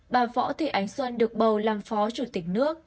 bà võ thị ánh xuân được bầu làm phó chủ tịch nước